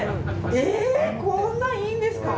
こんなの、いいんですか？